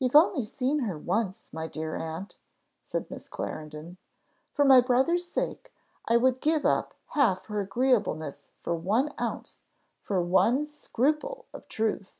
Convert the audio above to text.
"You've only seen her once, my dear aunt," said Miss Clarendon. "For my brother's sake I would give up half her agreeableness for one ounce for one scruple of truth."